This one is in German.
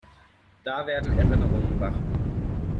Da werden Erinnerungen wach.